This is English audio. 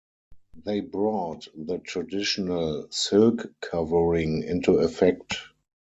They brought the traditional silk covering into effect.